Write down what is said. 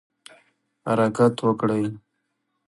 حرکت وکړئ